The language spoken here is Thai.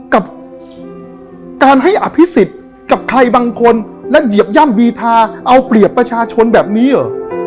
กับการให้อภิษฎกับใครบางคนและเหยียบย่ำบีทาเอาเปรียบประชาชนแบบนี้เหรอ